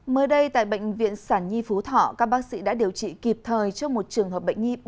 mới đây tại bệnh viện sản nhi phú thọ các bác sĩ đã điều trị kịp thời cho một trường hợp bệnh nhi